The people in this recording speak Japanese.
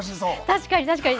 確かに確かに！